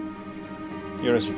よろしい。